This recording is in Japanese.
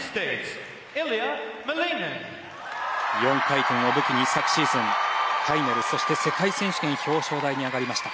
４回転を武器に昨シーズンファイナルそして世界選手権表彰台に上がりました。